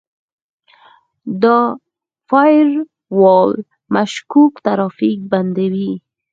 دا فایروال مشکوک ترافیک بندوي.